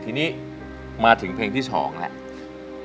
ทีนี้มาถึงเพลงที่๒แล้ว